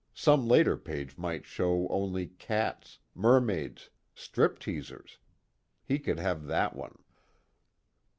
Some later page might show only cats, mermaids, stripteasers he could have that one.